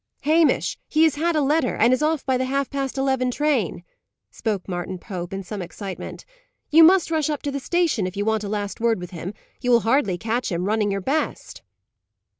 "Hamish, he has had a letter, and is off by the half past eleven train," spoke Martin Pope, in some excitement. "You must rush up to the station, if you want a last word with him. You will hardly catch him, running your best."